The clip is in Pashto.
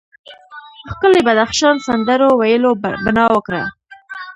ښکلي بدخشان سندرو ویلو بنا وکړه.